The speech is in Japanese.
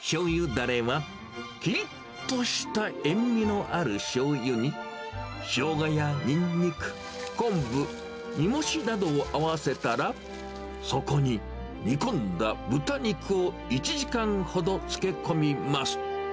だれは、きりっとした塩味のあるしょうゆに、ショウガやニンニク、昆布、煮干しなどを合わせたら、そこに煮込んだ豚肉を１時間ほど漬け込みます。